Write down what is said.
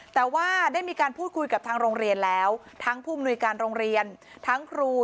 แต่ว่าได้มีการพูดคุยกับทางโรงเรียนแล้วทั้งผู้มนุยการโรงเรียนทั้งครู